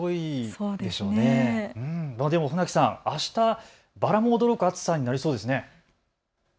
船木さん、あした、バラも驚く暑さになりそうですね。